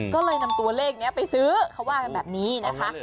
ก็เลยนำตัวเลขนี้ไปซื้อเขาว่ากันแบบนี้นะคะ